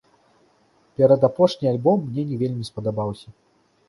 Перадапошні альбом мне не вельмі спадабаўся.